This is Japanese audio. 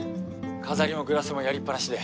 飾りもグラスもやりっぱなしで。